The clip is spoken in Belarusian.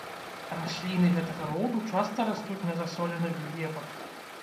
Расліны гэтага роду часта растуць на засоленых глебах.